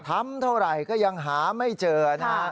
ทำเท่าไหร่ก็ยังหาไม่เจอนะฮะ